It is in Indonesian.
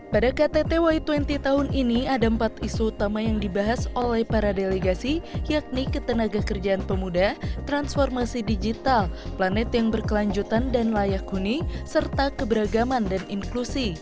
pada ktt y dua puluh tahun ini ada empat isu utama yang dibahas oleh para delegasi yakni ketenaga kerjaan pemuda transformasi digital planet yang berkelanjutan dan layak huni serta keberagaman dan inklusi